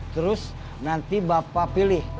terus nanti bapak pilih